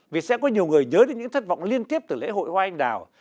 vì sẽ có nhiều người nhớ đến những thất vọng liên tiếp từ lễ hội hoa anh đào